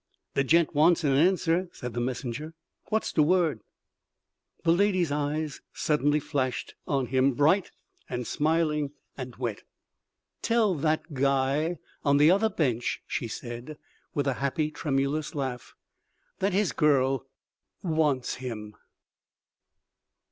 "De gent wants an answer," said the messenger. "Wot's de word?" The lady's eyes suddenly flashed on him, bright, smiling and wet. "Tell that guy on the other bench," she said, with a happy, tremulous laugh, "that his girl wants him."